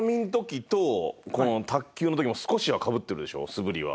素振りは。